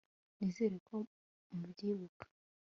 nizere ko mubyibuka